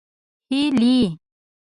هلئ!